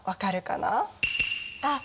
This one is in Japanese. あっ！